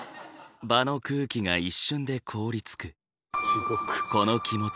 場の空気が一瞬で凍りつく。